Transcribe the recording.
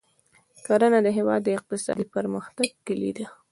کرنه د هېواد د اقتصادي پرمختګ کلي ده.